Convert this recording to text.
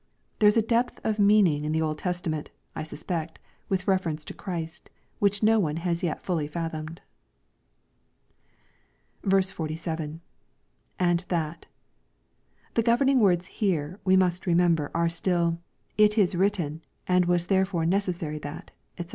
There is a depth of meaning in the Old Testament, I suspect, with reference to Christ, which no one has yet fully fathomed. 47. — [And that.] The governing words here, we must remember, are still, *' it is written, and was therefore necessary that^" &c.